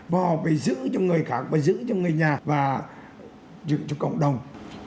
và họ phải giữ cho người khác và giữ cho người nhà và giữ cho cộng đồng